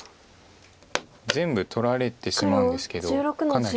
全部取られてしまうんですけどかなり。